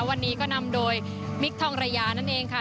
วันนี้ก็นำโดยมิคทองระยานั่นเองค่ะ